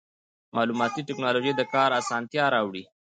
مالوماتي ټکنالوژي د کار اسانتیا راوړي.